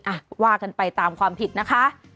อ่ะว่ากันไปตามความผิดนะคะ